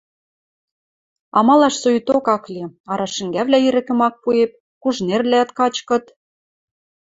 Амалаш соикток ак ли, арашӹнгӓвлӓ ирӹкӹм ак пуэп, кужынервлӓӓт качкыт.